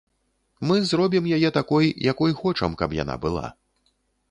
Мы зробім яе такой, якой хочам, каб яна была.